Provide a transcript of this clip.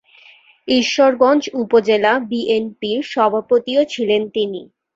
ঈশ্বরগঞ্জ উপজেলা বিএনপির সভাপতিও ছিলেন তিনি।